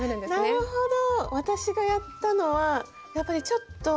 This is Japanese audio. なるほど。